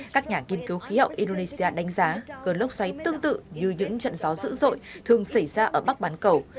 các nhà nghiên cứu khí hậu indonesia đánh giá cơn lốc xoáy tương tự như những trận gió dữ dội thường xảy ra ở bắc bán cầu